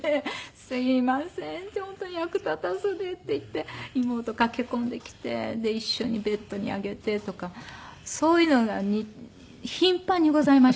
「すいません」って「本当に役立たずで」って言って妹駆け込んできて一緒にベッドに上げてとかそういうのが頻繁にございました。